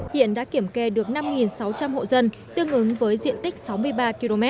hiện đã kiểm kê được năm sáu trăm linh hộ dân tương ứng với diện tích sáu mươi ba km